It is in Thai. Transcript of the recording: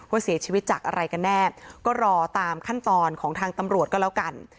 เสียชีวิตจากอะไรกันแน่ก็รอตามขั้นตอนของทางตำรวจก็แล้วกัน